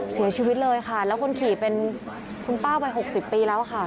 เสียชีวิตเลยค่ะแล้วคนขี่เป็นคุณป้าวัย๖๐ปีแล้วค่ะ